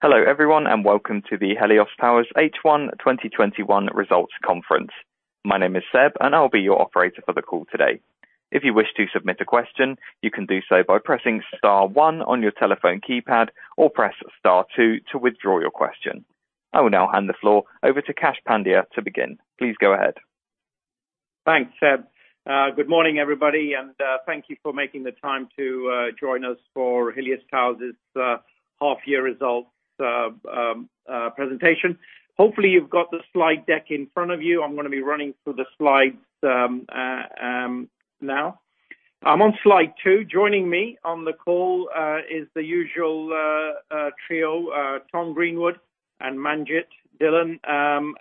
Hello everyone, welcome to the Helios Towers H1 2021 Results Conference. My name is Seb, and I'll be your operator for the call today. If you wish to submit a question, you can do so by pressing star one on your telephone keypad, or press star two to withdraw your question. I will now hand the floor over to Kash Pandya to begin. Please go ahead. Thanks, Seb. Good morning, everybody, thank you for making the time to join us for Helios Towers' half year results presentation. Hopefully, you've got the slide deck in front of you. I'm going to be running through the slides now. I'm on slide two. Joining me on the call, is the usual trio, Tom Greenwood and Manjit Dhillon.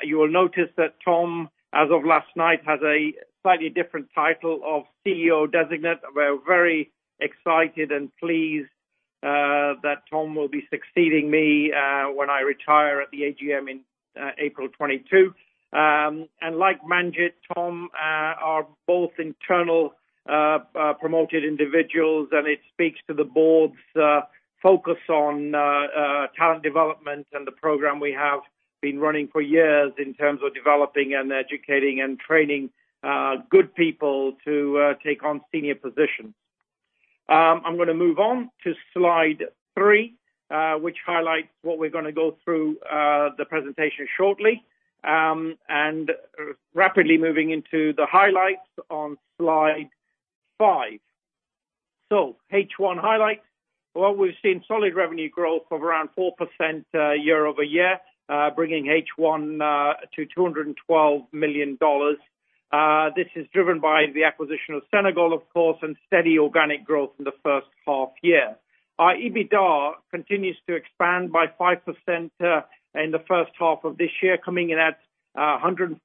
You will notice that Tom, as of last night, has a slightly different title of CEO designate. We're very excited and pleased that Tom will be succeeding me when I retire at the AGM in April 2022. Like Manjit, Tom are both internal promoted individuals, and it speaks to the board's focus on talent development and the program we have been running for years in terms of developing and educating and training good people to take on senior positions. I'm going to move on to slide three, which highlights what we're going to go through the presentation shortly. Rapidly moving into the highlights on slide five. H1 highlights. Well, we've seen solid revenue growth of around 4% year-over-year, bringing H1 to $212 million. This is driven by the acquisition of Senegal, of course, and steady organic growth in the first half year. Our EBITDA continues to expand by 5% in the first half of this year, coming in at $114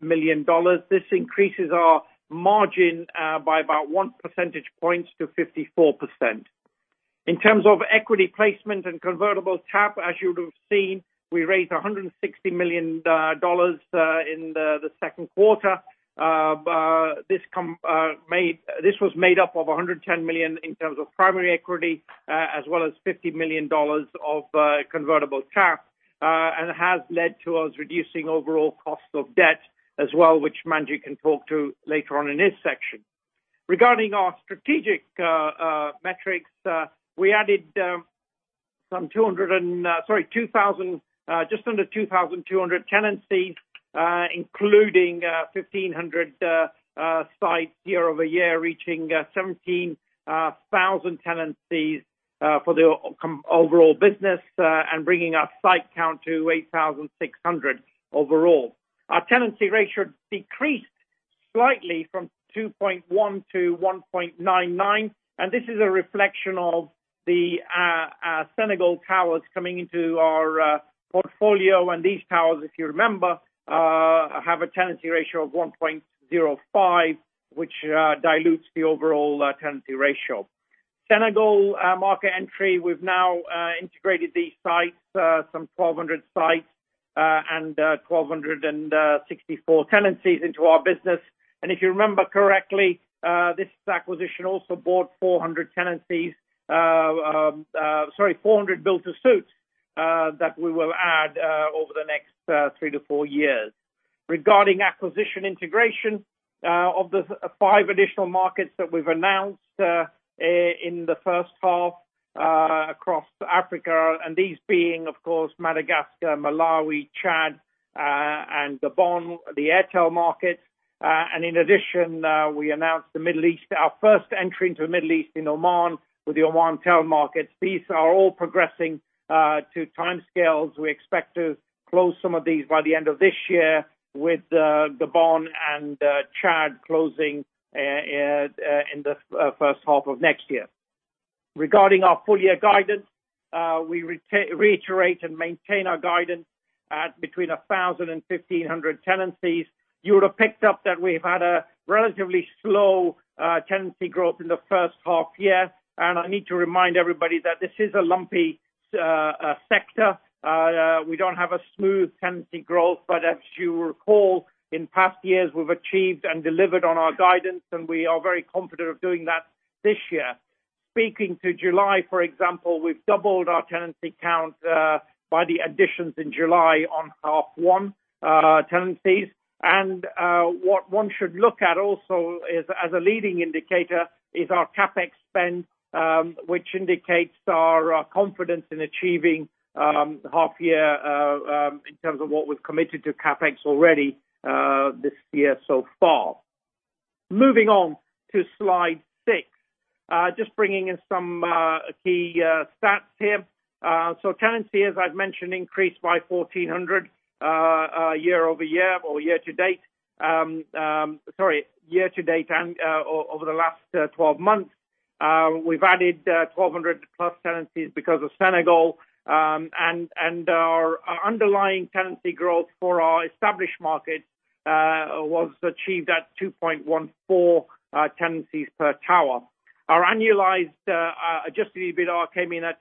million. This increases our margin by about 1 percentage point to 54%. In terms of equity placement and convertible tap, as you would have seen, we raised $160 million in the second quarter. This was made up of $110 million in terms of primary equity, as well as $50 million of convertible tap, and has led to us reducing overall cost of debt as well, which Manjit can talk to later on in his section. Regarding our strategic metrics, we added just under 2,200 tenancies, including 1,500 sites year over year, reaching 17,000 tenancies for the overall business, and bringing our site count to 8,600 overall. Our tenancy ratio decreased slightly from 2.1-1.99, and this is a reflection of the Senegal towers coming into our portfolio, and these towers, if you remember, have a tenancy ratio of 1.05, which dilutes the overall tenancy ratio. Senegal market entry, we've now integrated these sites, some 1,200 sites, and 1,264 tenancies into our business. If you remember correctly, this acquisition also bought 400 build-to-suits, that we will add over the next three to four years. Regarding acquisition integration of the 5 additional markets that we've announced in the first half across Africa, these being, of course, Madagascar, Malawi, Chad, and Gabon, the Airtel markets. In addition, we announced our first entry into the Middle East in Oman with the Omantel markets. These are all progressing to timescales. We expect to close some of these by the end of this year with Gabon and Chad closing in the first half of next year. Regarding our full year guidance, we reiterate and maintain our guidance at between 1,000 and 1,500 tenancies. You would have picked up that we've had a relatively slow tenancy growth in the first half-year. I need to remind everybody that this is a lumpy sector. We don't have a smooth tenancy growth. As you recall, in past years, we've achieved and delivered on our guidance. We are very confident of doing that this year. Speaking to July, for example, we've doubled our tenancy count by the additions in July on H1 tenancies. What one should look at also as a leading indicator is our CapEx spend, which indicates our confidence in achieving half-year in terms of what we've committed to CapEx already this year so far. Moving on to slide six. Just bringing in some key stats here. Tenancy, as I've mentioned, increased by 1,400 year-over-year or year-to-date. Sorry, year to date and over the last 12 months. We've added 1,200 plus tenancies because of Senegal. Our underlying tenancy growth for our established markets was achieved at 2.14 tenancies per tower. Our annualized adjusted EBITDA came in at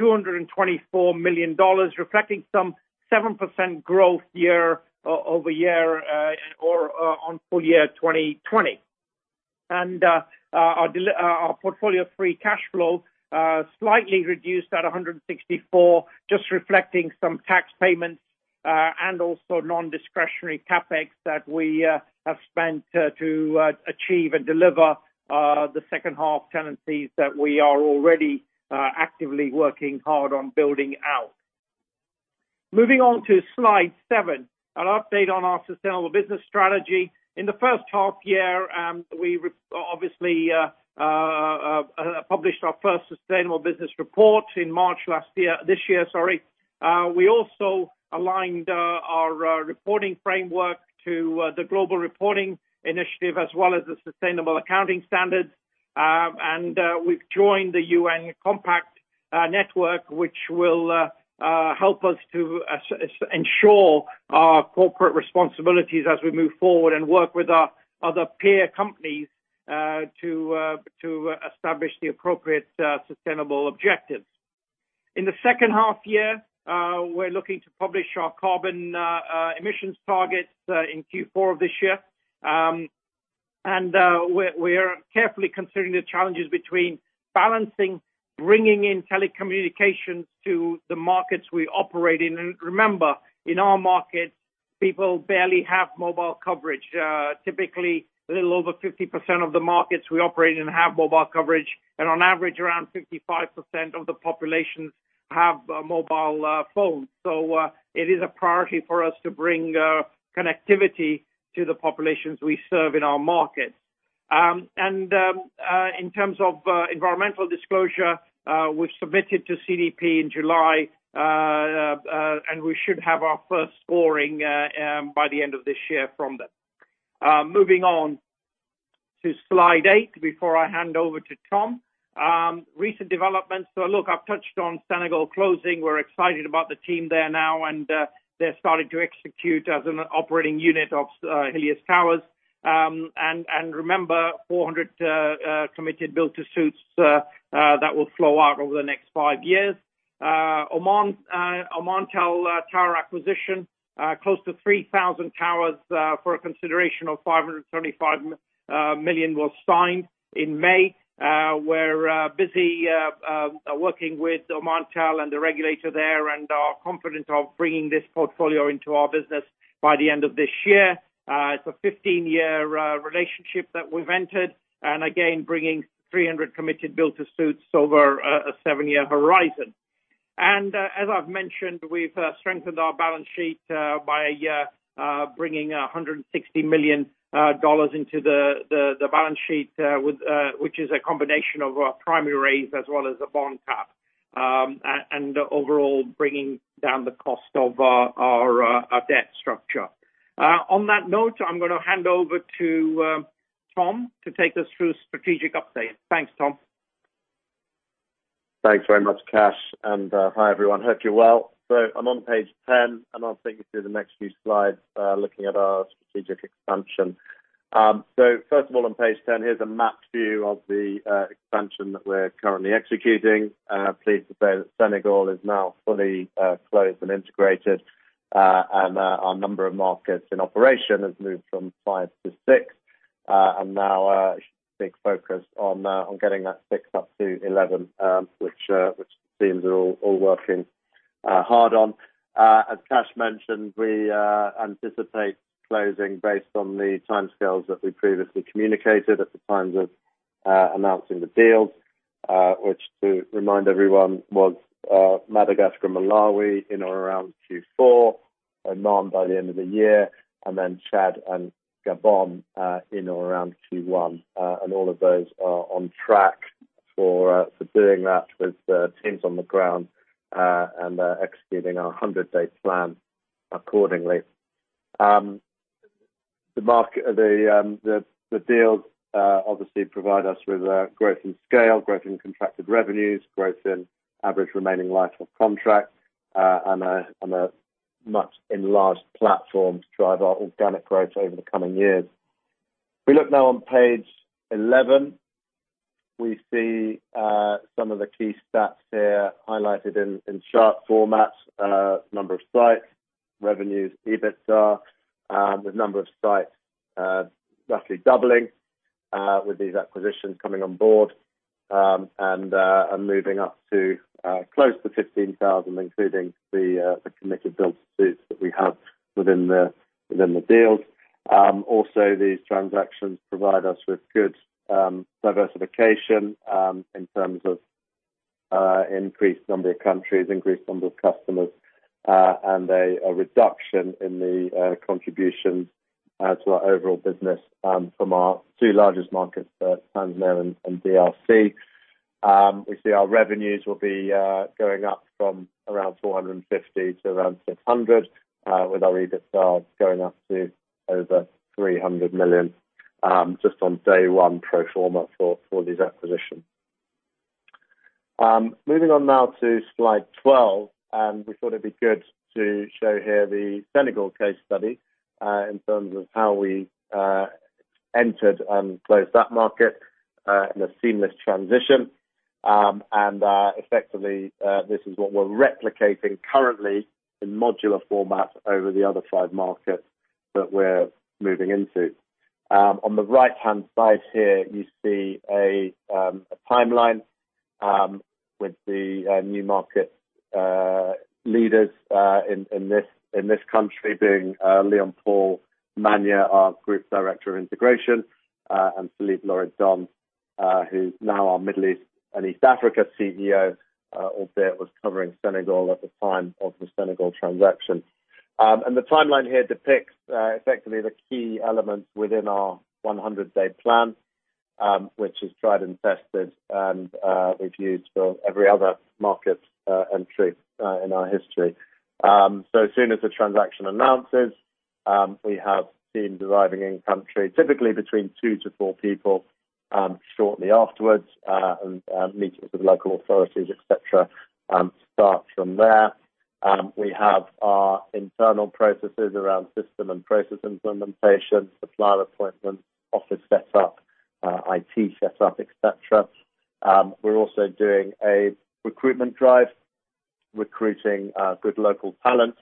$224 million, reflecting some 7% growth year-over-year on full year 2020. Our portfolio of free cash flow slightly reduced at $164, just reflecting some tax payments, and also non-discretionary CapEx that we have spent to achieve and deliver the second half tenancies that we are already actively working hard on building out. Moving on to slide seven, an update on our sustainable business strategy. In the first half year, we obviously published our first sustainable business report in March this year. We also aligned our reporting framework to the Global Reporting Initiative as well as the Sustainability Accounting Standards. We've joined the UN Global Compact, which will help us to ensure our corporate responsibilities as we move forward and work with our other peer companies to establish the appropriate sustainable objectives. In the second half, we're looking to publish our carbon emissions targets in Q4 of this year. We are carefully considering the challenges between balancing bringing in telecommunications to the markets we operate in. Remember, in our markets, people barely have mobile coverage. Typically, a little over 50% of the markets we operate in have mobile coverage, and on average, around 55% of the populations have mobile phones. It is a priority for us to bring connectivity to the populations we serve in our markets. In terms of environmental disclosure, we've submitted to CDP in July, and we should have our first scoring by the end of this year from them. Moving on to slide 8 before I hand over to Tom. Recent developments. Look, I've touched on Senegal closing. We're excited about the team there now, and they're starting to execute as an operating unit of Helios Towers. Remember, 400 committed build-to-suits that will flow out over the next 5 years. Omantel tower acquisition, close to 3,000 towers for a consideration of $575 million was signed in May. We're busy working with Omantel and the regulator there and are confident of bringing this portfolio into our business by the end of this year. It's a 15-year relationship that we've entered, and again, bringing 300 committed build-to-suits over a 7-year horizon. As I've mentioned, we've strengthened our balance sheet by bringing $160 million into the balance sheet, which is a combination of a primary raise as well as a bond tap, and overall, bringing down the cost of our debt structure. On that note, I'm going to hand over to Tom to take us through the strategic update. Thanks, Tom. Thanks very much, Kash. Hi, everyone. Hope you're well. I'm on page 10, and I'll take you through the next few slides, looking at our strategic expansion. First of all, on page 10, here's a map view of the expansion that we're currently executing. Pleased to say that Senegal is now fully closed and integrated, and our number of markets in operation has moved from five to six, and now a big focus on getting that six up to 11, which the teams are all working hard on. As Kash mentioned, we anticipate closing based on the timescales that we previously communicated at the times of announcing the deals, which to remind everyone was Madagascar and Malawi in or around Q4, Oman by the end of the year, and then Chad and Gabon in or around Q1. All of those are on track for doing that with the teams on the ground and executing our 100-day plan accordingly. The deals obviously provide us with growth in scale, growth in contracted revenues, growth in average remaining life of contracts, and a much enlarged platform to drive our organic growth over the coming years. If we look now on page 11, we see some of the key stats here highlighted in sharp format, number of sites, revenues, EBITDA, the number of sites roughly doubling with these acquisitions coming on board, and moving up to close to 15,000, including the committed build-to-suits that we have within the deals. These transactions provide us with good diversification in terms of increased number of countries, increased number of customers, and a reduction in the contributions to our overall business from our two largest markets, Tanzania and DRC. We see our revenues will be going up from around $450 to around $600, with our EBITDA going up to over $300 million, just on day one pro forma for these acquisitions. Moving on now to slide 12. We thought it'd be good to show here the Senegal case study in terms of how we entered and closed that market in a seamless transition. Effectively, this is what we're replicating currently in modular format over the other five markets that we're moving into. On the right-hand side here, you see a timeline with the new market leaders in this country being Leon-Paul Manya, our Group Director of Integration, and Philippe Loridon, who's now our Middle East and East Africa CEO, albeit was covering Senegal at the time of the Senegal transaction. The timeline here depicts effectively the key elements within our 100-day plan, which is tried and tested and we've used for every other market entry in our history. As soon as the transaction announces, we have team deriving in-country, typically between two to four people shortly afterwards, and meetings with local authorities, et cetera, start from there. We have our internal processes around system and process implementation, supplier appointment, office set up, IT set up, et cetera. We're also doing a recruitment drive, recruiting good local talent,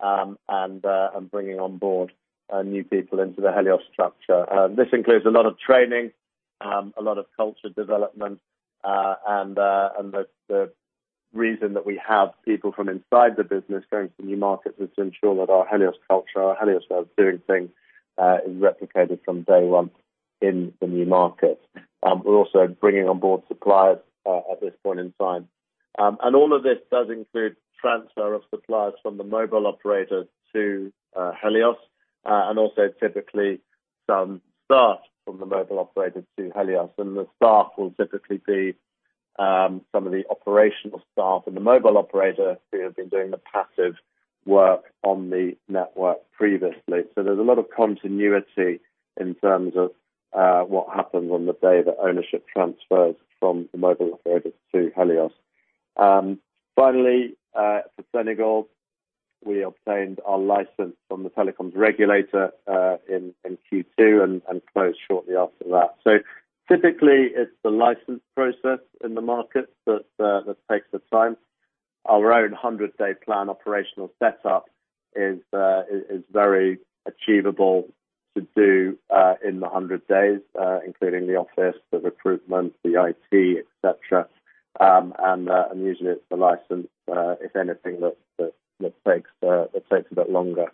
and bringing on board new people into the Helios structure. This includes a lot of training, a lot of culture development, and the reason that we have people from inside the business going to new markets is to ensure that our Helios culture, our Helios way of doing things, is replicated from day one in the new market. We're also bringing on board suppliers at this point in time. All of this does include transfer of suppliers from the mobile operator to Helios, and also typically some staff from the mobile operator to Helios. The staff will typically be some of the operational staff and the mobile operator who have been doing the passive work on the network previously. There's a lot of continuity in terms of what happens on the day that ownership transfers from the mobile operator to Helios. Finally, for Senegal, we obtained our license from the telecoms regulator in Q2 and closed shortly after that. Typically, it's the license process in the market that takes the time. Our own 100-day plan operational set up is very achievable to do in the 100 days, including the office, the recruitment, the IT, et cetera. Usually it's the license, if anything, that takes a bit longer.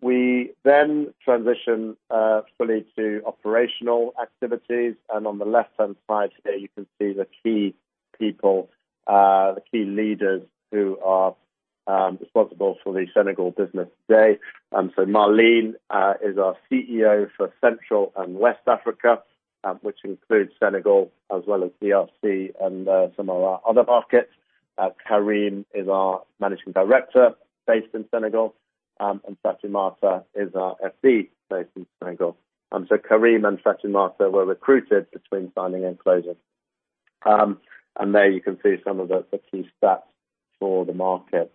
We then transition fully to operational activities, on the left-hand side here you can see the key people, the key leaders who are responsible for the Senegal business today. Marlene is our CEO for Central and West Africa, which includes Senegal as well as DRC and some of our other markets. Karim is our Managing Director based in Senegal, and Fatimata is our FC based in Senegal. Karim and Fatimata were recruited between signing and closing. There you can see some of the key stats for the market.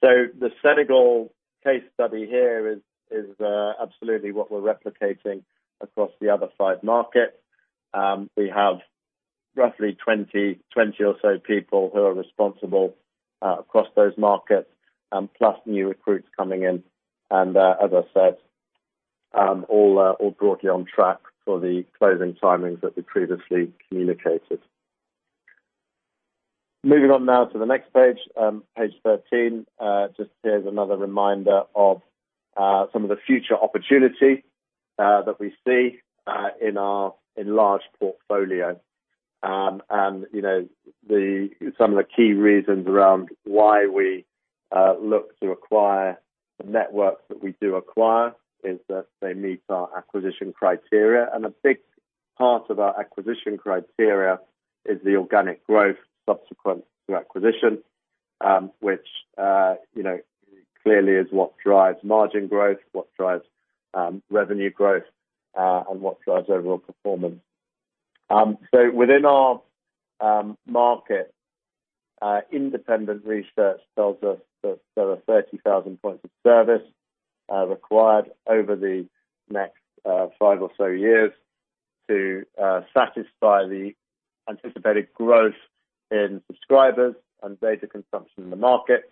The Senegal case study here is absolutely what we're replicating across the other five markets. We have roughly 20 or so people who are responsible across those markets, plus new recruits coming in, as I said, all broadly on track for the closing timings that we previously communicated. Moving on now to the next page 13. Just here's another reminder of some of the future opportunity that we see in our enlarged portfolio. Some of the key reasons around why we look to acquire the networks that we do acquire is that they meet our acquisition criteria. A big part of our acquisition criteria is the organic growth subsequent to acquisition, which clearly is what drives margin growth, what drives revenue growth, and what drives overall performance. Within our market, independent research tells us that there are 30,000 points of service required over the next five or so years to satisfy the anticipated growth in subscribers and data consumption in the market.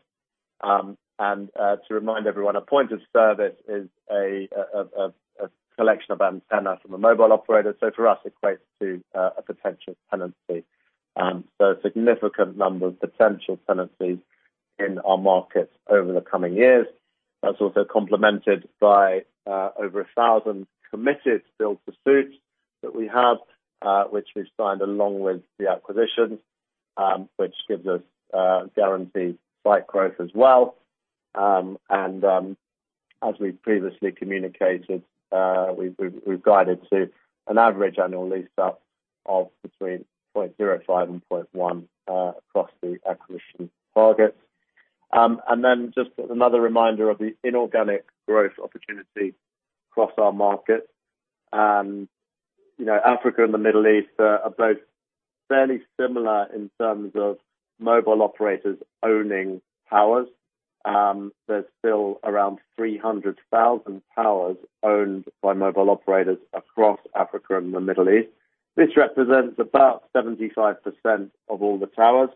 To remind everyone, a point of service is a collection of antenna from a mobile operator. For us, equates to a potential tenancy, a significant number of potential tenancies in our markets over the coming years. That's also complemented by over 1,000 committed build-to-suits that we have, which we've signed along with the acquisition, which gives us guaranteed site growth as well. As we previously communicated, we've guided to an average annual lease-up of between 0.05-0.1 across the acquisition targets. Just another reminder of the inorganic growth opportunity across our markets. Africa and the Middle East are both fairly similar in terms of mobile operators owning towers. There's still around 300,000 towers owned by mobile operators across Africa and the Middle East. This represents about 75% of all the towers.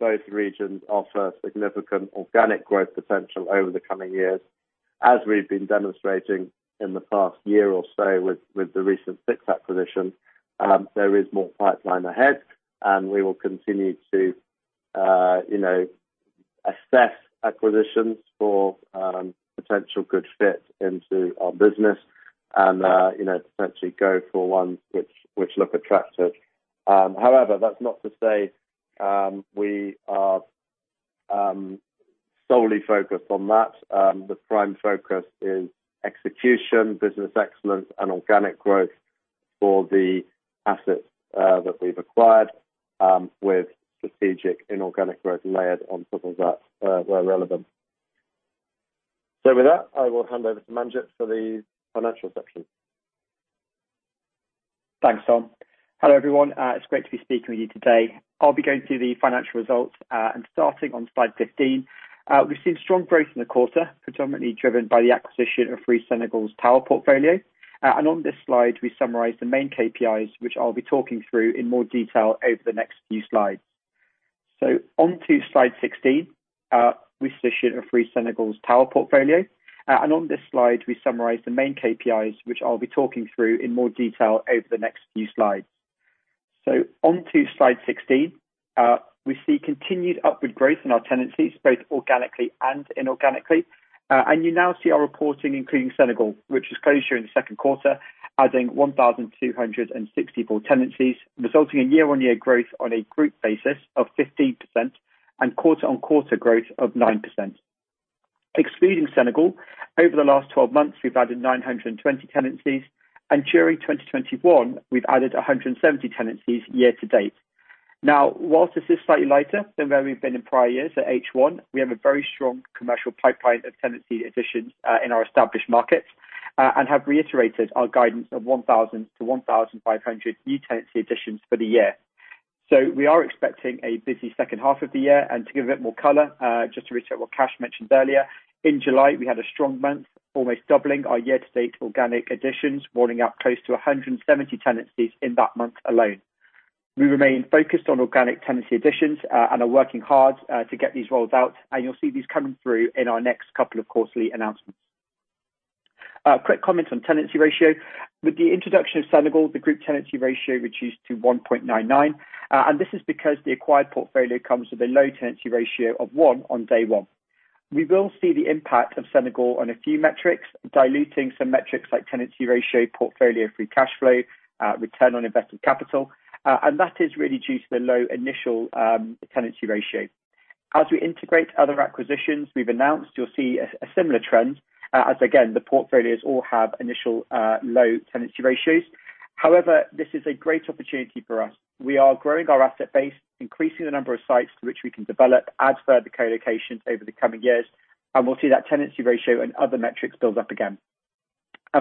Both regions offer significant organic growth potential over the coming years, as we've been demonstrating in the past year or so with the recent fixed acquisitions. There is more pipeline ahead, and we will continue to assess acquisitions for potential good fit into our business and essentially go for ones which look attractive. That's not to say we are solely focused on that. The prime focus is execution, business excellence, and organic growth for the assets that we've acquired with strategic inorganic growth layered on top of that where relevant. With that, I will hand over to Manjit for the financial section. Thanks, Tom. Hello, everyone. It's great to be speaking with you today. I'll be going through the financial results and starting on slide 15. We've seen strong growth in the quarter, predominantly driven by the acquisition of Free Senegal's tower portfolio. On this slide, we summarize the main KPIs, which I'll be talking through in more detail over the next few slides. Onto slide 16. We see continued upward growth in our tenancies, both organically and inorganically. You now see our reporting, including Senegal, which has closed during the second quarter, adding 1,264 tenancies, resulting in year-on-year growth on a group basis of 15% and quarter-on-quarter growth of 9%. Excluding Senegal, over the last 12 months, we've added 920 tenancies, and during 2021, we've added 170 tenancies year to date. Whilst this is slightly lighter than where we've been in prior years at H1, we have a very strong commercial pipeline of tenancy additions in our established markets, and have reiterated our guidance of 1,000-1,500 new tenancy additions for the year. We are expecting a busy second half of the year. To give a bit more color, just to reiterate what Kash mentioned earlier, in July, we had a strong month, almost doubling our year-to-date organic additions, rolling out close to 170 tenancies in that month alone. We remain focused on organic tenancy additions, and are working hard to get these rolled out, and you'll see these coming through in our next couple of quarterly announcements. A quick comment on tenancy ratio. With the introduction of Senegal, the group tenancy ratio reduced to 1.99. This is because the acquired portfolio comes with a low tenancy ratio of one on day one. We will see the impact of Senegal on a few metrics, diluting some metrics like tenancy ratio, portfolio free cash flow, return on invested capital. That is really due to the low initial tenancy ratio. As we integrate other acquisitions we've announced, you'll see a similar trend as, again, the portfolios all have initial low tenancy ratios. However, this is a great opportunity for us. We are growing our asset base, increasing the number of sites which we can develop as further co-locations over the coming years. We'll see that tenancy ratio and other metrics build up again.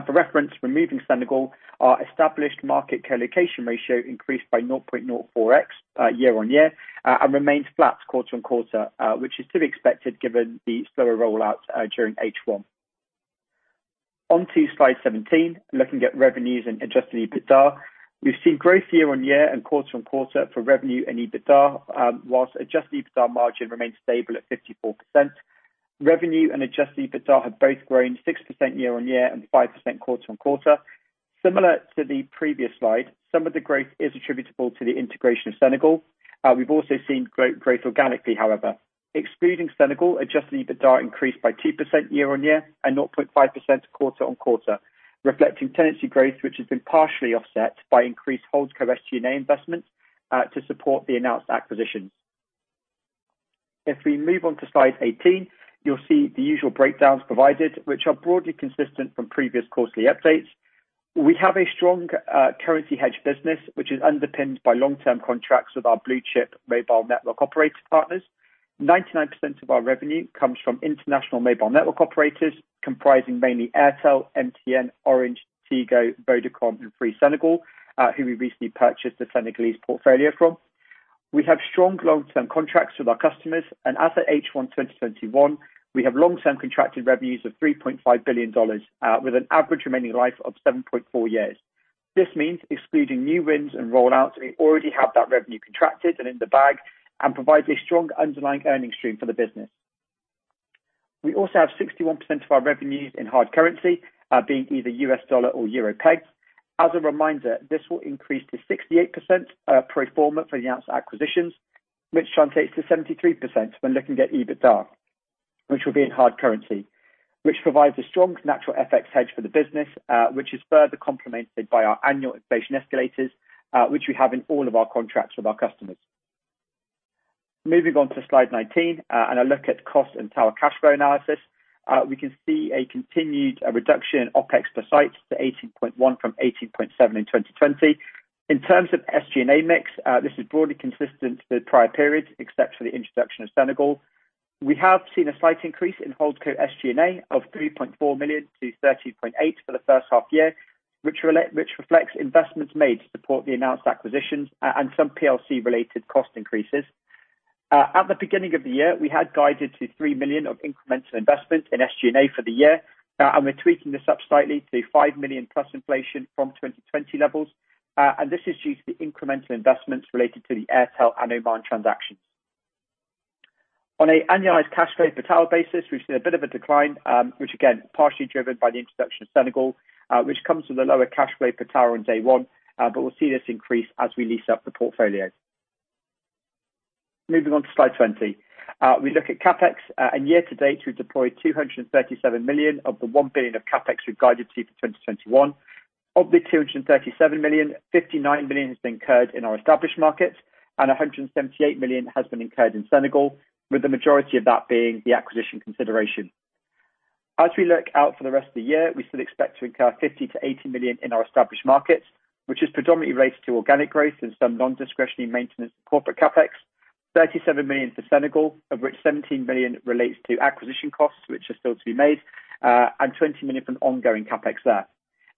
For reference, removing Senegal, our established market colocation ratio increased by 0.04x year-on-year, and remains flat quarter-on-quarter, which is to be expected given the slower rollout during H1. Onto slide 17, looking at revenues and adjusted EBITDA. We've seen growth year-on-year and quarter-on-quarter for revenue and EBITDA, whilst adjusted EBITDA margin remains stable at 54%. Revenue and adjusted EBITDA have both grown 6% year-on-year and 5% quarter-on-quarter. Similar to the previous slide, some of the growth is attributable to the integration of Senegal. We've also seen growth organically, however. Excluding Senegal, adjusted EBITDA increased by 2% year-on-year and 0.5% quarter-on-quarter, reflecting tenancy growth, which has been partially offset by increased Holdco SG&A investments to support the announced acquisitions. If we move on to slide 18, you'll see the usual breakdowns provided, which are broadly consistent from previous quarterly updates. We have a strong currency hedge business, which is underpinned by long-term contracts with our blue-chip mobile network operator partners. 99% of our revenue comes from international mobile network operators, comprising mainly Airtel, MTN, Orange, Tigo, Vodacom and Free Senegal, who we recently purchased the Senegalese portfolio from. We have strong long-term contracts with our customers, and as at H1 2021, we have long-term contracted revenues of $3.5 billion, with an average remaining life of 7.4 years. This means excluding new wins and rollouts, we already have that revenue contracted and in the bag and provides a strong underlying earning stream for the business. We also have 61% of our revenues in hard currency, being either US dollar or euro pegged. As a reminder, this will increase to 68% pro forma for the announced acquisitions, which translates to 73% when looking at EBITDA, which will be in hard currency, which provides a strong natural FX hedge for the business, which is further complemented by our annual inflation escalators, which we have in all of our contracts with our customers. Moving on to slide 19, and a look at cost and tower cash flow analysis. We can see a continued reduction in OpEx per site to 18.1 from 18.7 in 2020. In terms of SG&A mix, this is broadly consistent with prior periods, except for the introduction of Senegal. We have seen a slight increase in Holdco SG&A of $3.4 million to $13.8 for the first half year. Which reflects investments made to support the announced acquisitions and some PLC related cost increases. At the beginning of the year, we had guided to $3 million of incremental investment in SG&A for the year. We're tweaking this up slightly to $5 million plus inflation from 2020 levels. This is due to the incremental investments related to the Airtel and Oman transactions. On an annualized cash flow per tower basis, we've seen a bit of a decline, which again, partially driven by the introduction of Senegal, which comes with a lower cash flow per tower on day one. We'll see this increase as we lease up the portfolio. Moving on to slide 20. We look at CapEx. Year to date, we deployed $237 million of the $1 billion of CapEx we've guided to for 2021. Of the $237 million, $59 million has been incurred in our established markets, and $178 million has been incurred in Senegal, with the majority of that being the acquisition consideration. As we look out for the rest of the year, we still expect to incur $50 million-$80 million in our established markets, which is predominantly related to organic growth and some non-discretionary maintenance of corporate CapEx, $37 million for Senegal, of which $17 million relates to acquisition costs, which are still to be made, and $20 million from ongoing CapEx there.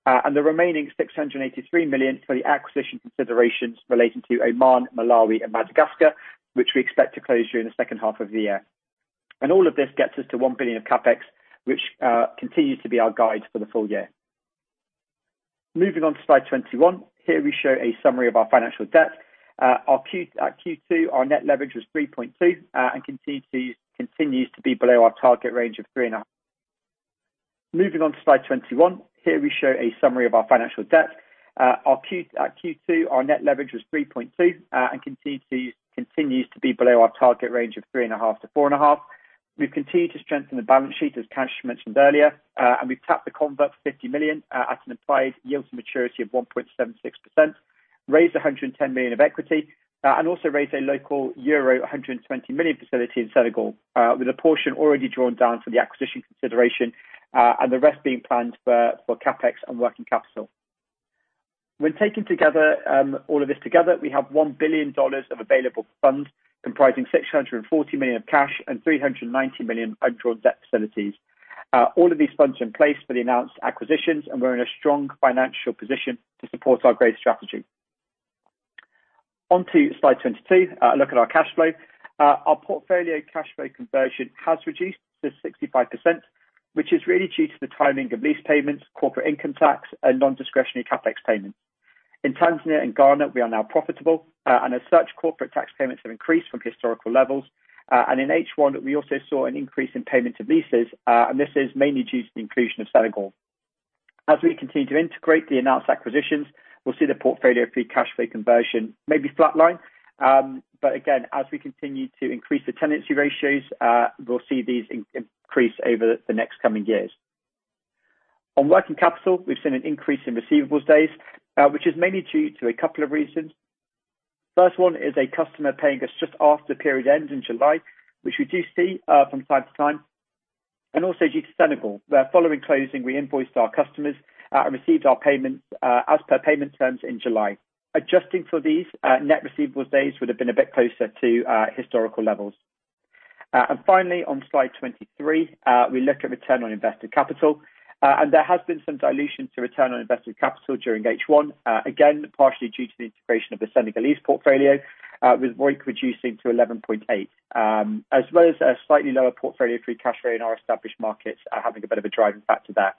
The remaining $683 million for the acquisition considerations relating to Oman, Malawi, and Madagascar, which we expect to close during the second half of the year. All of this gets us to $1 billion of CapEx, which continues to be our guide for the full year. Moving on to slide 21. Here we show a summary of our financial debt. At Q2, our net leverage was 3.2, continues to be below our target range of 3.5 to 4.5. We've continued to strengthen the balance sheet, as Kash mentioned earlier, we've tapped the convert for $50 million at an implied yield to maturity of 1.76%, raised $110 million of equity, also raised a local euro 120 million facility in Senegal, with a portion already drawn down for the acquisition consideration, the rest being planned for CapEx and working capital. When taking all of this together, we have $1 billion of available funds comprising $640 million of cash and $390 million undrawn debt facilities. All of these funds are in place for the announced acquisitions, we're in a strong financial position to support our growth strategy. On to slide 22, a look at our cash flow. Our portfolio cash flow conversion has reduced to 65%, which is really due to the timing of lease payments, corporate income tax, and non-discretionary CapEx payments. In Tanzania and Ghana, we are now profitable, as such, corporate tax payments have increased from historical levels. In H1, we also saw an increase in payment of leases, and this is mainly due to the inclusion of Senegal. As we continue to integrate the announced acquisitions, we'll see the portfolio free cash flow conversion maybe flatline. Again, as we continue to increase the tenancy ratios, we'll see these increase over the next coming years. On working capital, we've seen an increase in receivables days, which is mainly due to a couple of reasons. First one is a customer paying us just after the period ends in July, which we do see from time to time, and also due to Senegal, where following closing, we invoiced our customers, and received our payments as per payment terms in July. Adjusting for these net receivable days would have been a bit closer to historical levels. Finally, on slide 23, we look at return on invested capital. There has been some dilution to return on invested capital during H1, again, partially due to the integration of the Senegalese portfolio, with ROIC reducing to 11.8, as well as a slightly lower portfolio free cash flow in our established markets having a bit of a driving factor there.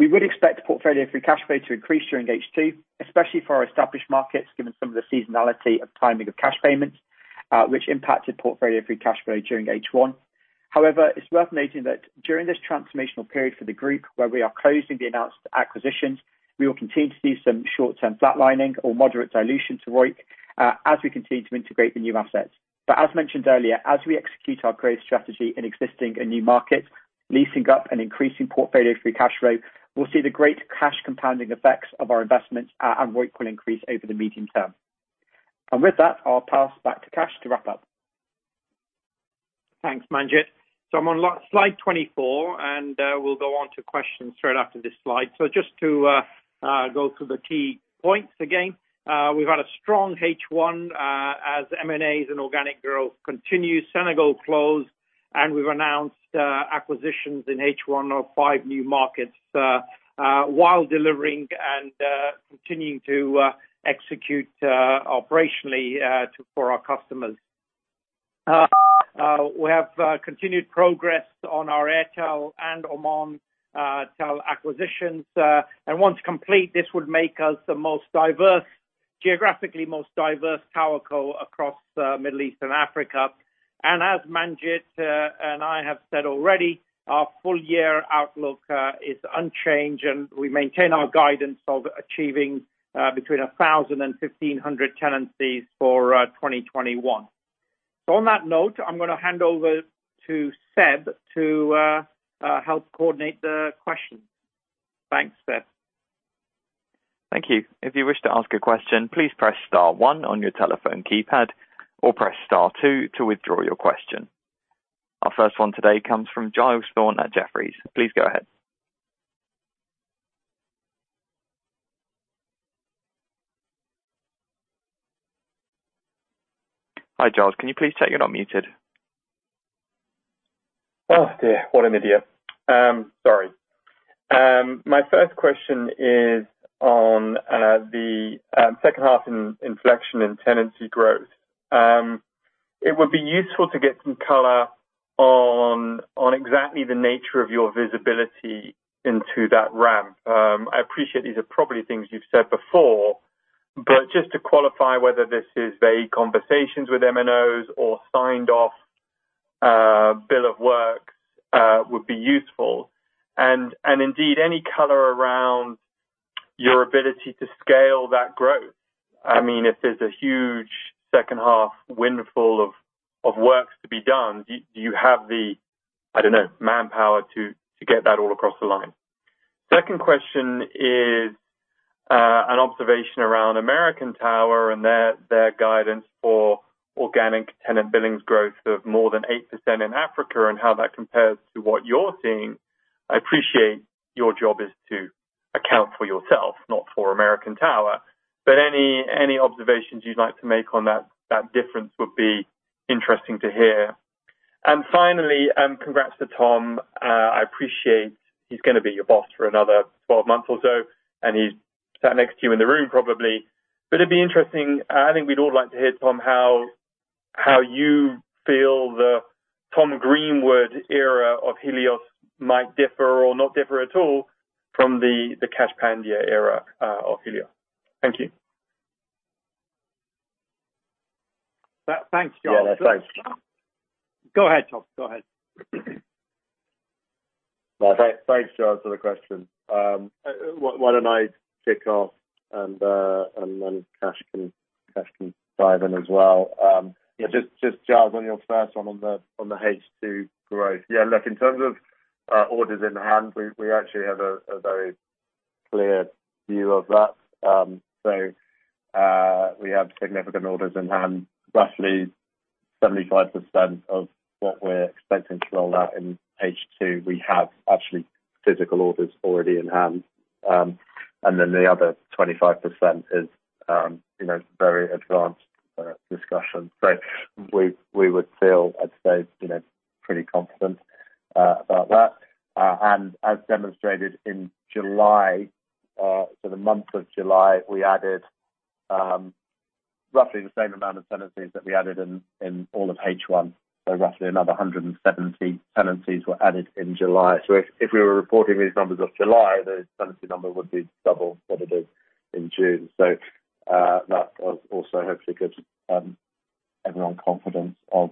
We would expect portfolio free cash flow to increase during H2, especially for our established markets, given some of the seasonality of timing of cash payments, which impacted portfolio free cash flow during H1. It's worth noting that during this transformational period for the group where we are closing the announced acquisitions, we will continue to see some short-term flatlining or moderate dilution to ROIC as we continue to integrate the new assets. As mentioned earlier, as we execute our growth strategy in existing and new markets, leasing up and increasing portfolio free cash flow, we'll see the great cash compounding effects of our investments, and ROIC will increase over the medium term. With that, I'll pass back to Kash to wrap up. Thanks, Manjit. I'm on slide 24, and we'll go on to questions straight after this slide. Just to go through the key points again, we've had a strong H1 as M&As and organic growth continue, Senegal closed, and we've announced acquisitions in H1 of five new markets, while delivering and continuing to execute operationally for our customers. We have continued progress on our Airtel and Omantel acquisitions, and once complete, this would make us the geographically most diverse towerco across Middle East and Africa. As Manjit and I have said already, our full year outlook is unchanged, and we maintain our guidance of achieving between 1,000 and 1,500 tenancies for 2021. On that note, I'm going to hand over to Seb to help coordinate the questions. Thanks, Seb. Thank you. If you wish to ask a question, please press star one on your telephone keypad or press star two to withdraw your question. Our first one today comes from Giles Thorne at Jefferies. Please go ahead. Hi, Giles. Can you please check you're not muted? Oh, dear. What an idiot. Sorry. My first question is on the second half inflection in tenancy growth. It would be useful to get some color on exactly the nature of your visibility into that ramp. I appreciate these are probably things you've said before, just to qualify whether this is vague conversations with MNOs or signed off bill of works would be useful. Indeed, any color around your ability to scale that growth. If there's a huge second half windfall of works to be done, do you have the, I don't know, manpower to get that all across the line? Second question is, an observation around American Tower and their guidance for organic tenant billings growth of more than 8% in Africa, how that compares to what you're seeing. I appreciate your job is to account for yourself, not for American Tower, but any observations you'd like to make on that difference would be interesting to hear. Finally, congrats to Tom. I appreciate he's going to be your boss for another 12 months or so, and he's sat next to you in the room probably. I think we'd all like to hear, Tom, how you feel the Tom Greenwood era of Helios might differ or not differ at all from the Kash Pandya era of Helios. Thank you. Thanks, Giles. Yeah, thanks. Go ahead, Tom. Go ahead. Thanks, Giles, for the question. Why don't I kick off, and then Kash can dive in as well. Just, Giles, on your first one on the H2 growth. Yeah, look, in terms of orders in hand, we actually have a very clear view of that. We have significant orders in hand. Roughly 75% of what we're expecting to roll out in H2, we have actually physical orders already in hand. The other 25% is very advanced discussions. We would feel, I'd say, pretty confident about that. As demonstrated in July, for the month of July, we added roughly the same amount of tenancies that we added in all of H1. Roughly another 170 tenancies were added in July. If we were reporting these numbers of July, the tenancy number would be double what it is in June. That also hopefully gives everyone confidence of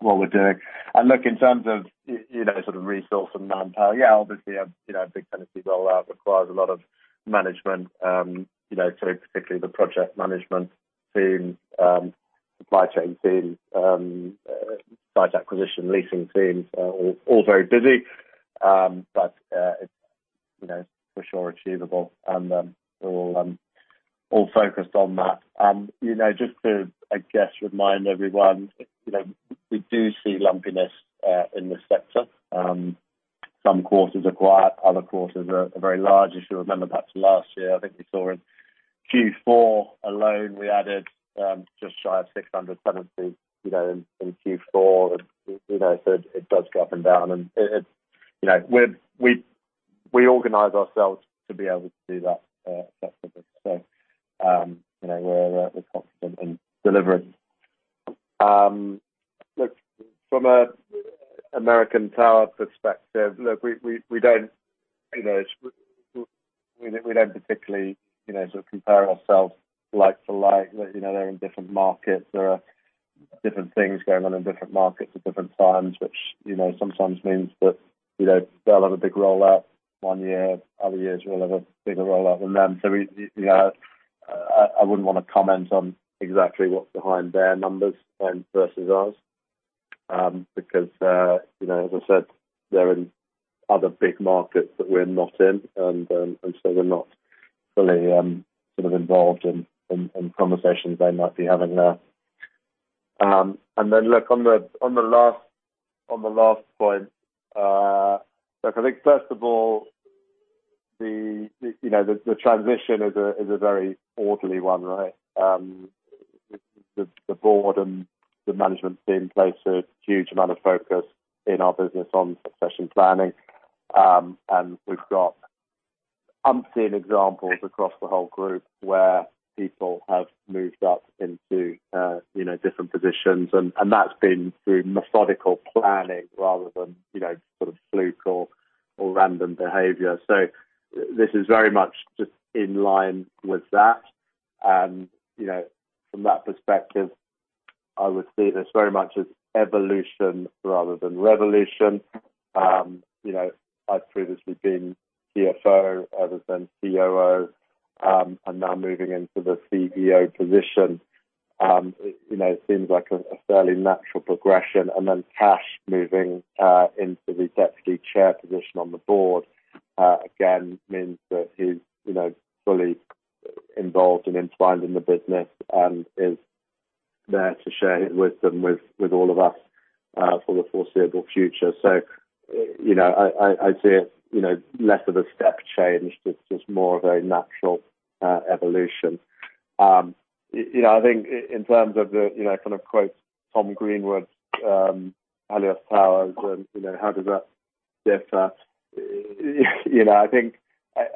what we're doing. Look, in terms of resource and manpower, obviously, a big tenancy rollout requires a lot of management, so particularly the project management team, supply chain team, site acquisition, leasing teams are all very busy. It's for sure achievable and all focused on that. Just to remind everyone, we do see lumpiness in this sector. Some quarters are quiet, other quarters are very large. If you remember perhaps last year, we saw in Q4 alone, we added just shy of 600 tenancies in Q4. It does go up and down, and we organize ourselves to be able to do that effectively. We're confident in delivering. Look, from an American Tower perspective, look, we don't particularly compare ourselves like to like. They're in different markets. There are different things going on in different markets at different times, which sometimes means that they'll have a big rollout one year. Other years, we'll have a bigger rollout than them. I wouldn't want to comment on exactly what's behind their numbers versus ours, because as I said, they're in other big markets that we're not in, we're not fully sort of involved in conversations they might be having there. Look, on the last point. Look, I think first of all, the transition is a very orderly one, right? The board and the management team place a huge amount of focus in our business on succession planning. We've got umpteen examples across the whole group where people have moved up into different positions. That's been through methodical planning rather than sort of fluke or random behavior. This is very much just in line with that. From that perspective, I would see this very much as evolution rather than revolution. I've previously been CFO rather than COO, and now moving into the CEO position. It seems like a fairly natural progression. Kash moving into the deputy chair position on the board again means that he's fully involved and entwined in the business and is there to share his wisdom with all of us. For the foreseeable future. I see it less of a step change. It's just more of a natural evolution. I think in terms of the kind of quotes Tom Greenwood, Helios Towers, how does that differ? I think,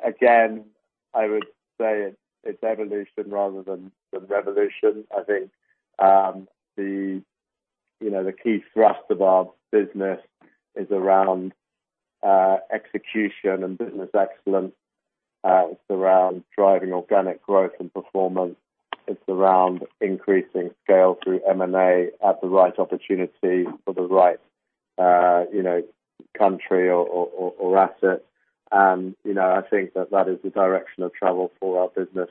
again, I would say it's evolution rather than revolution. I think the key thrust of our business is around execution and business excellence. It's around driving organic growth and performance. It's around increasing scale through M&A at the right opportunity for the right country or asset. I think that is the direction of travel for our business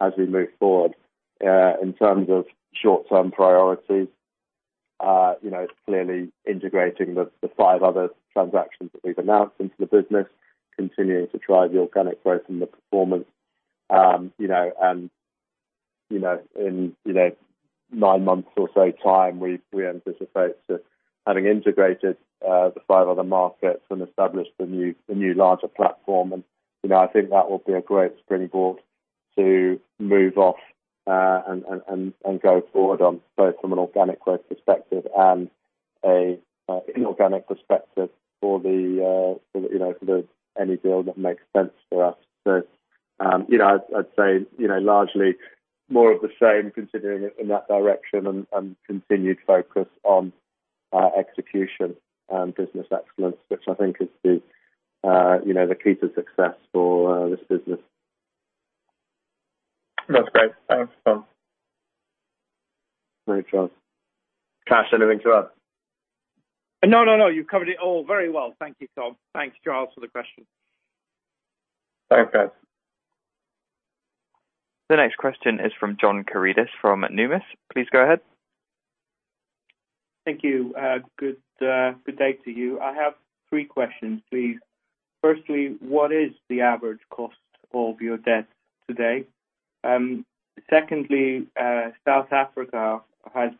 as we move forward. In terms of short-term priorities, it's clearly integrating the five other transactions that we've announced into the business, continuing to drive the organic growth and the performance. In nine months or so time, we anticipate having integrated the five other markets and established the new larger platform. I think that will be a great springboard to move off and go forward on both from an organic growth perspective and an inorganic perspective for any deal that makes sense for us. I'd say largely more of the same, continuing in that direction and continued focus on execution and business excellence, which I think is the key to success for this business. That's great. Thanks, Tom. Thanks, Giles. Cash, anything to add? No, you've covered it all very well. Thank you, Tom. Thanks, Giles, for the question. Thanks, guys. The next question is from John Karidis from Numis. Please go ahead. Thank you. Good day to you. I have 3 questions, please. Firstly, what is the average cost of your debt today? Secondly, South Africa has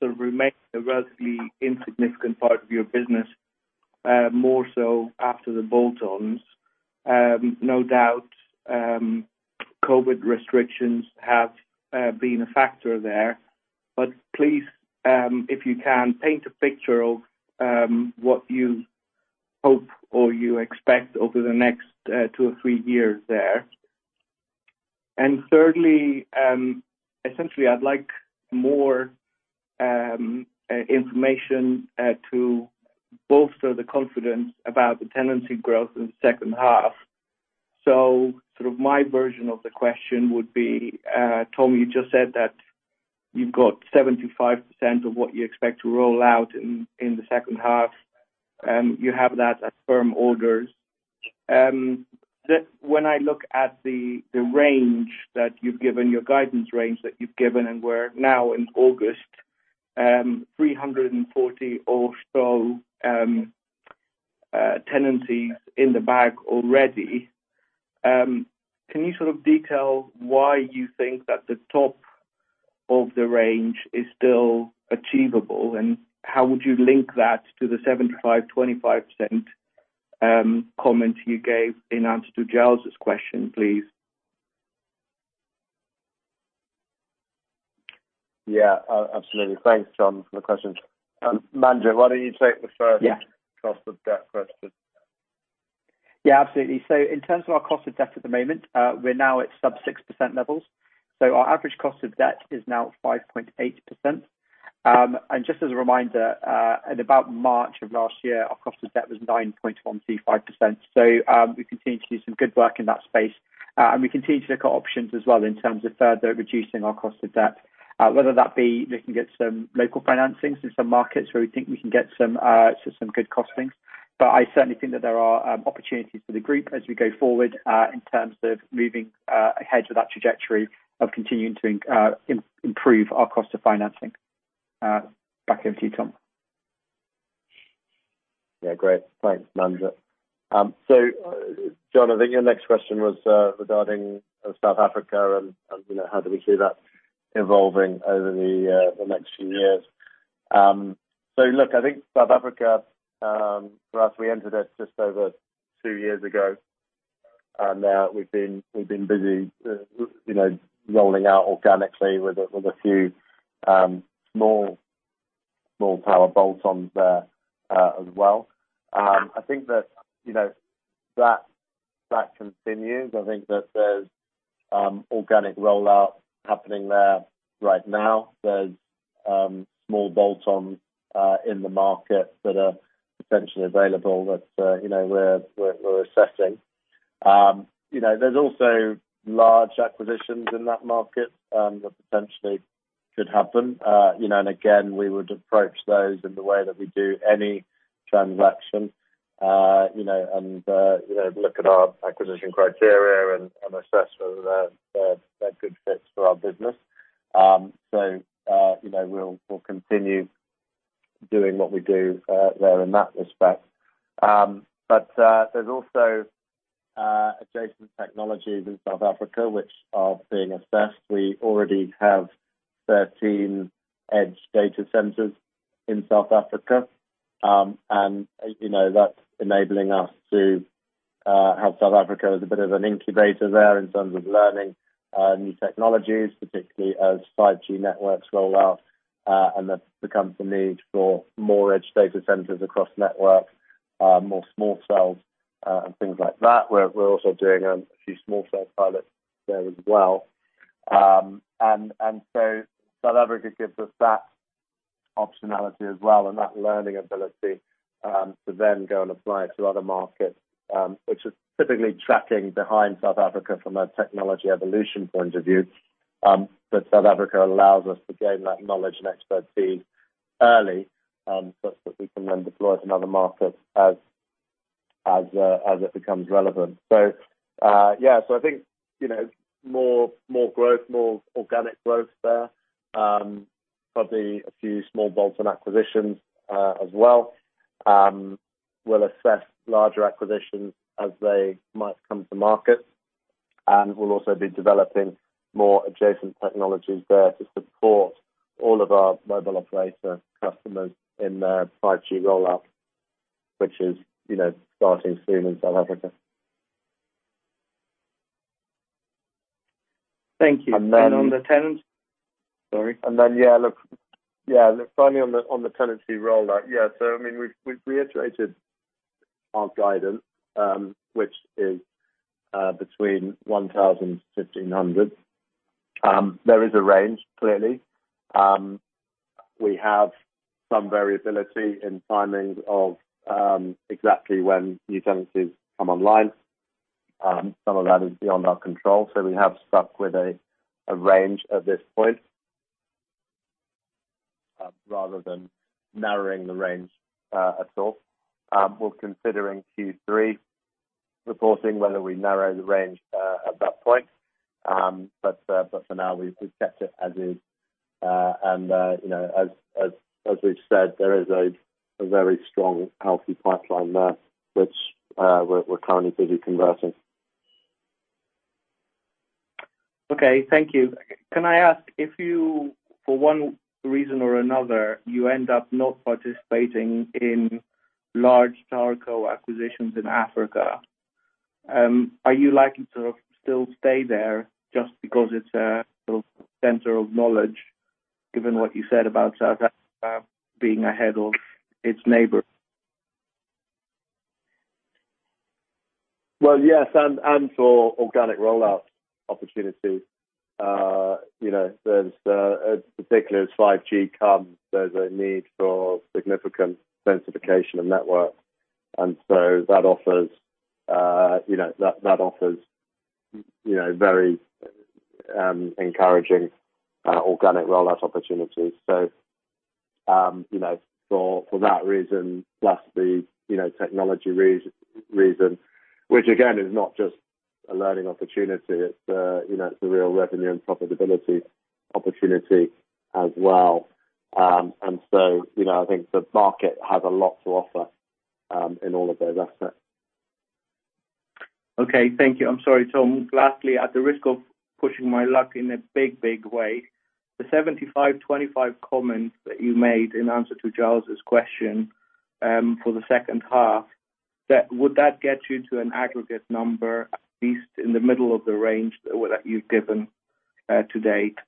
sort of remained a relatively insignificant part of your business, more so after the bolt-ons. No doubt, COVID restrictions have been a factor there, but please, if you can, paint a picture of what you hope or you expect over the next two or three years there. Thirdly, essentially, I'd like more information to bolster the confidence about the tenancy growth in the second half. Sort of my version of the question would be, Tom, you just said that you've got 75% of what you expect to roll out in the second half, you have that as firm orders. When I look at the range that you've given, your guidance range that you've given, and we're now in August, 340 or so tenancies in the bag already. Can you sort of detail why you think that the top of the range is still achievable, and how would you link that to the 75%-25% comment you gave in answer to Giles's question, please? Yeah. Absolutely. Thanks, John, for the question. Manjit, why don't you take the first-. Yeah cost of debt question? Yeah, absolutely. In terms of our cost of debt at the moment, we're now at sub 6% levels. Our average cost of debt is now 5.8%. Just as a reminder, in about March of last year, our cost of debt was 9.135%. We continue to do some good work in that space. We continue to look at options as well in terms of further reducing our cost of debt, whether that be looking at some local financings in some markets where we think we can get some good costings. I certainly think that there are opportunities for the group as we go forward, in terms of moving ahead with that trajectory of continuing to improve our cost of financing. Back over to you, Tom. Yeah, great. Thanks, Manjit. John, I think your next question was regarding South Africa and how do we see that evolving over the next few years. Look, I think South Africa, for us, we entered it just over two years ago, and we've been busy rolling out organically with a few small power bolt-ons there as well. I think that continues. I think that there's organic rollout happening there right now. There's small bolt-ons in the market that are potentially available that we're assessing. There's also large acquisitions in that market that potentially could happen. Again, we would approach those in the way that we do any transaction, and look at our acquisition criteria and assess whether they're good fits for our business. We'll continue doing what we do there in that respect. There's also adjacent technologies in South Africa, which are being assessed. We already have 13 edge data centers in South Africa. That's enabling us to help South Africa as a bit of an incubator there in terms of learning new technologies, particularly as 5G networks roll out, and there becomes the need for more edge data centers across networks, more small cells, and things like that. We're also doing a few small cell pilots there as well. South Africa gives us that optionality as well and that learning ability, to then go and apply to other markets, which are typically tracking behind South Africa from a technology evolution point of view. South Africa allows us to gain that knowledge and expertise early, such that we can then deploy to other markets as it becomes relevant. Yeah. I think more growth, more organic growth there. Probably a few small bolts on acquisitions as well. We'll assess larger acquisitions as they might come to market, and we'll also be developing more adjacent technologies there to support all of our mobile operator customers in their 5G rollout, which is starting soon in South Africa. Thank you. And then- Sorry. Yeah. Look, finally, on the tenancy rollout. Yeah. We've reiterated our guidance, which is between 1,000 to 1,500. There is a range, clearly. We have some variability in timing of exactly when new tenancies come online. Some of that is beyond our control, so we have stuck with a range at this point, rather than narrowing the range at source. We're considering Q3 reporting, whether we narrow the range at that point. For now, we've kept it as is. As we've said, there is a very strong, healthy pipeline there which we're currently busy converting. Okay. Thank you. Can I ask, if you, for one reason or another, you end up not participating in large tower co acquisitions in Africa, are you likely to still stay there just because it's a sort of center of knowledge, given what you said about South Africa being ahead of its neighbor? Well, yes, for organic rollout opportunities. Particularly as 5G comes, there's a need for significant densification of network. That offers very encouraging organic rollout opportunities. For that reason, plus the technology reason, which again, is not just a learning opportunity, it's a real revenue and profitability opportunity as well. I think the market has a lot to offer in all of those aspects. Okay. Thank you. I'm sorry, Tom. Lastly, at the risk of pushing my luck in a big, big way, the 75/25 comment that you made in answer to Giles Thorne's question, for the second half, would that get you to an aggregate number, at least in the middle of the range that you've given to date?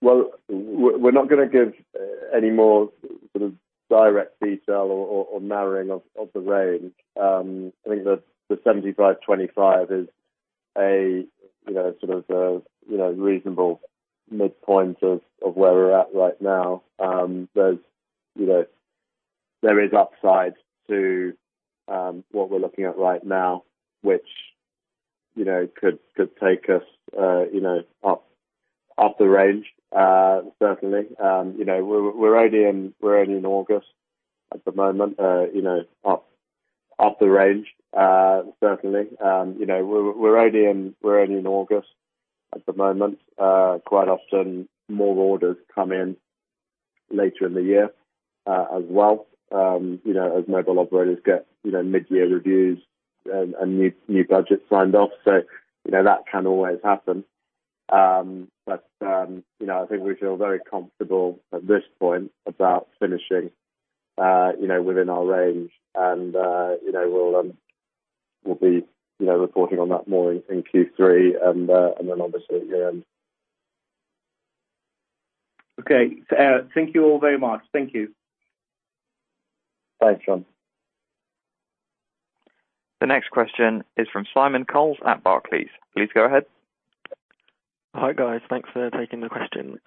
Well, we're not gonna give any more sort of direct detail or narrowing of the range. I think the 75/25 is a sort of reasonable midpoint of where we're at right now. There is upside to what we're looking at right now, which could take us up the range, certainly. We're only in August at the moment. Quite often, more orders come in later in the year as well. As mobile operators get mid-year reviews and new budgets signed off. That can always happen. I think we feel very comfortable at this point about finishing within our range, and we'll be reporting on that more in Q3, and then obviously at year-end. Okay. Thank you all very much. Thank you. Thanks, John. The next question is from Simon Coles at Barclays. Please go ahead. Hi, guys. Thanks for taking the question.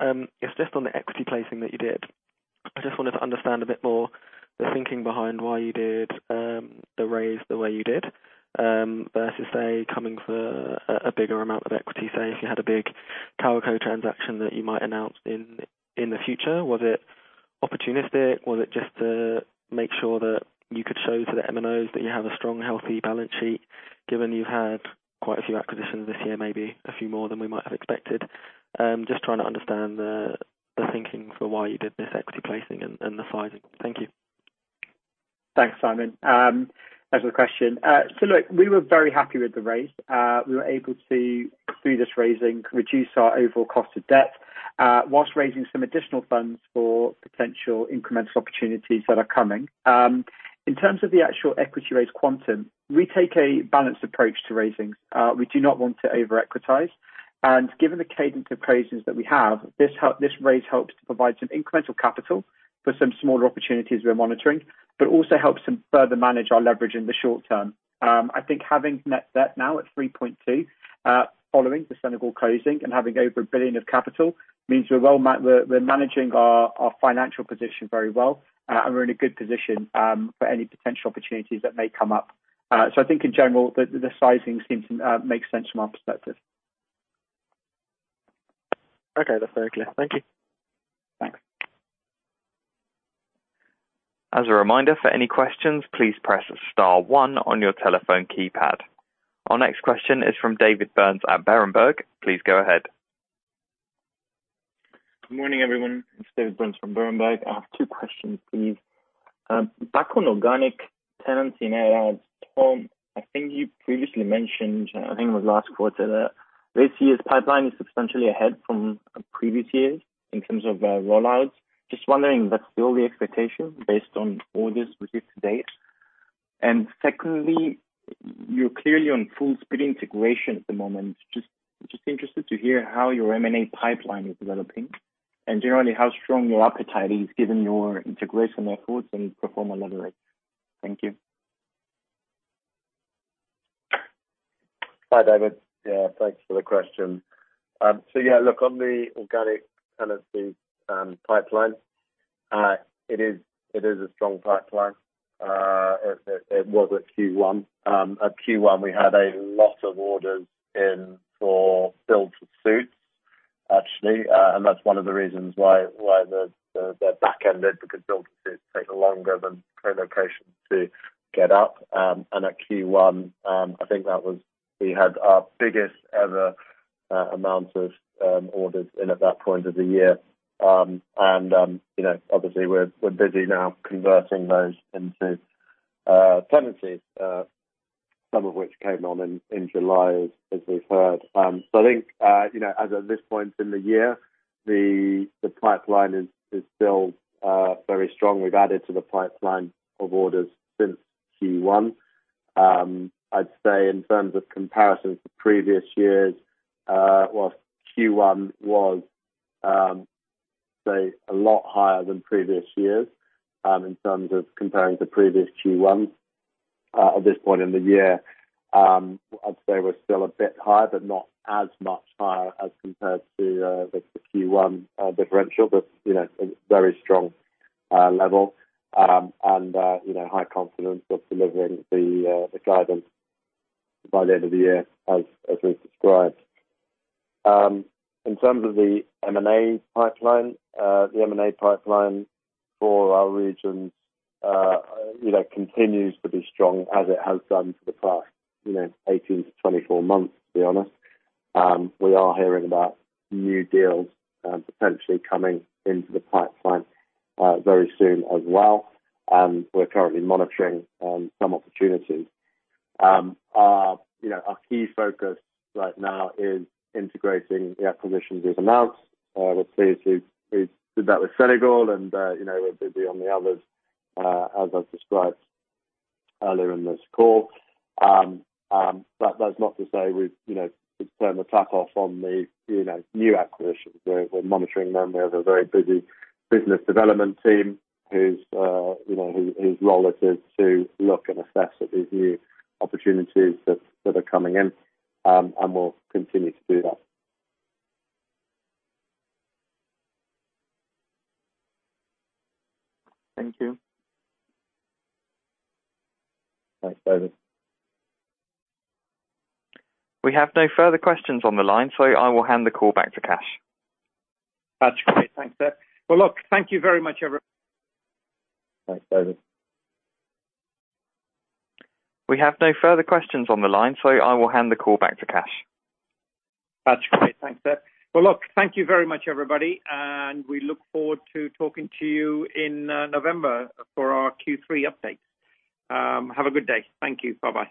It's just on the equity placing that you did. I just wanted to understand a bit more the thinking behind why you did the raise the way you did, versus, say, coming for a bigger amount of equity, say, if you had a big tower co transaction that you might announce in the future. Was it opportunistic? Was it just to make sure that you could show to the MNOs that you have a strong, healthy balance sheet, given you had quite a few acquisitions this year, maybe a few more than we might have expected? Just trying to understand the thinking for why you did this equity placing and the sizing. Thank you. Thanks, Simon. Thanks for the question. Look, we were very happy with the raise. We were able to, through this raising, reduce our overall cost of debt whilst raising some additional funds for potential incremental opportunities that are coming. In terms of the actual equity raise quantum, we take a balanced approach to raising. We do not want to over-equitize. Given the cadence of raises that we have, this raise helps to provide some incremental capital for some smaller opportunities we are monitoring, but also helps to further manage our leverage in the short term. I think having net debt now at 3.2, following the Senegal closing and having over $1 billion of capital means we are managing our financial position very well, and we are in a good position for any potential opportunities that may come up. I think in general, the sizing seems to make sense from our perspective. Okay. That's very clear. Thank you. Thanks. As a reminder, for any questions, please press star 1 on your telephone keypad. Our next question is from David Burns at Berenberg. Please go ahead. Good morning, everyone. It's David Burns from Berenberg. I have two questions, please. Back on organic tenancy and add-ons, Tom, I think you previously mentioned, I think it was last quarter, that this year's pipeline is substantially ahead from previous years in terms of roll-outs. Just wondering if that's still the expectation based on orders received to date. Secondly, you are clearly on full speed integration at the moment. Just interested to hear how your M&A pipeline is developing and generally how strong your appetite is given your integration efforts and pro forma leverage. Thank you. Hi, David. Yeah, thanks for the question. Yeah, look, on the organic tenancy pipeline, it is a strong pipeline. It was at Q1. At Q1, we had a lot of orders in for build-to-suit, actually, and that's one of the reasons why they're back ended because build-to-suit take longer than colocation to get up. At Q1, I think we had our biggest ever amount of orders in at that point of the year. Obviously, we are busy now converting those into tenancies, some of which came on in July, as we have heard. I think, as of this point in the year, the pipeline is still very strong. We have added to the pipeline of orders since Q1. I'd say in terms of comparison to previous years, whilst Q1 was, say, a lot higher than previous years in terms of comparing the previous Q1 at this point in the year, I'd say we are still a bit higher, but not as much higher as compared to the Q1 differential, but a very strong level, and high confidence of delivering the guidance by the end of the year as we have described. In terms of the M&A pipeline, the M&A pipeline for our regions continues to be strong as it has done for the past 18-24 months, to be honest. We are hearing about new deals potentially coming into the pipeline very soon as well. We are currently monitoring some opportunities. Our key focus right now is integrating the acquisitions we have announced. Obviously, we did that with Senegal. We are busy on the others as I described earlier in this call. That's not to say we've turned the tap off on the new acquisitions. We are monitoring them. We have a very busy business development team whose role it is to look and assess these new opportunities that are coming in, and we'll continue to do that. Thank you. Thanks, David. We have no further questions on the line, I will hand the call back to Kash Pandya. That's great. Thanks, sir. Well, look, thank you very much every- Thanks, David. We have no further questions on the line, so I will hand the call back to Kash Pandya. That's great. Thanks, sir. Well, look, thank you very much, everybody. We look forward to talking to you in November for our Q3 update. Have a good day. Thank you. Bye-bye.